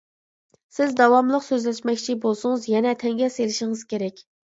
سىز داۋاملىق سۆزلەشمەكچى بولسىڭىز، يەنە تەڭگە سېلىشىڭىز كېرەك.